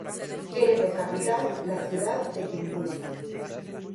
Tiene por capital la ciudad de Tinduf.